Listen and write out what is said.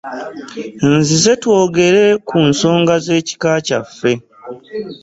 Nzize twogere ku nsonga z'ekika kyaffe.